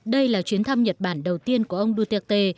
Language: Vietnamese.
đây là chuyến thăm nhật bản đầu tiên của ông duterte